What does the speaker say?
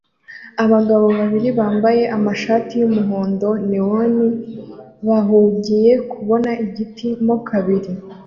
Abagabo babiri bambaye amashati yumuhondo neon bahugiye kubona igiti mo kabiri